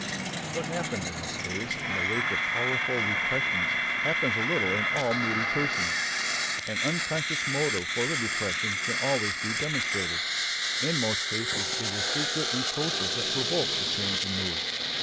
What happened in this case in the wake of powerful repressions happens a little in all moody persons. An unconscious motive for the depression can always be demonstrated. In most instances it is secret reproaches that provoke the change in mood.